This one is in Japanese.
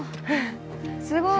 すごい。